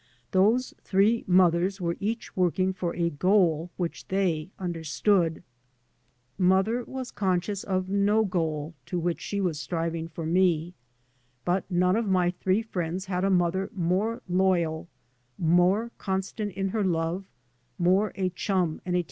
IThose three mothers were each working for a goal which they understood. Mother was conscious of 3 by Google MY MOTHER AND I no goal to which she was striving for me. But none of my three friends had a mother more loyal, more constant in her love, more a chum and a t.